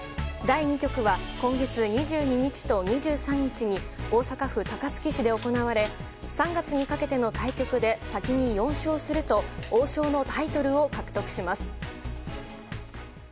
第２局は今月２２日と２３日に大阪府高槻市で行われ３月にかけての対局で先に４勝すると王将のタイトルを獲得します。